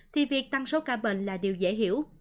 thì việc tăng số ca bệnh là điều dễ hiểu